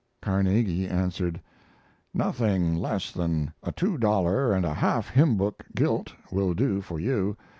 Carnegie answered: Nothing less than a two dollar & a half hymn book gilt will do for you.